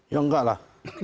ya enggak lah